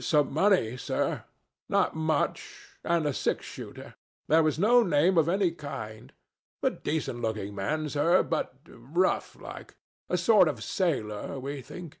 "Some money, sir—not much, and a six shooter. There was no name of any kind. A decent looking man, sir, but rough like. A sort of sailor we think."